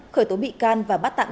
khởi tố bị can và bắt tạp